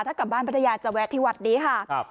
ถ้ากลับบ้านพัทยาจะแวะที่วัดนี้ค่ะ